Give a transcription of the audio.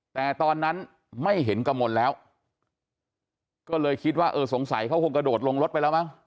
แต่ตอนนั้นไม่เห็นกระมนแล้วก็เลยคิดว่าเออสงสัยเขาคงกระโดดลงรถไปแล้วมั้ง